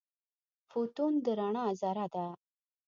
فوتون د رڼا ذره ده.